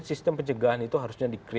sistem pencegahan masing masing di unit mereka